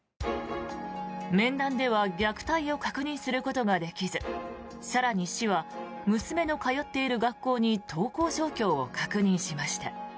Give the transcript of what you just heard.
面談では虐待を確認することができず更に、市は娘の通っている学校に登校状況を確認しました。